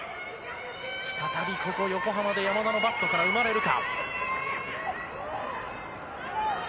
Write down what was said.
再びここ横浜で山田のバットから生まれるか。